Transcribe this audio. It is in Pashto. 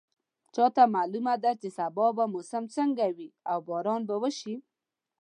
چا ته معلومه ده چې سبا به موسم څنګه وي او باران به وشي